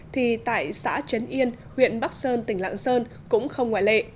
thì tại xã trấn yên huyện bắc sơn tỉnh lạng sơn cũng không ngoại lệ